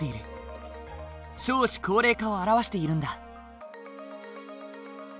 少子高齢化を表しているんだ。